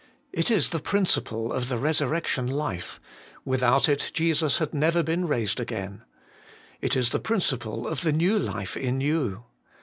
It is the principle of the resurrection life : without it Jesus had never been raised again. It is the principle of the new life in you.